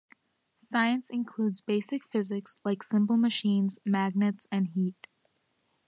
Science includes basic physics like simple machines, magnets, and heat.